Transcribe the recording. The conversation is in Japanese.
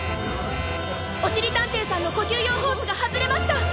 おしりたんていさんのこきゅうようホースがはずれました。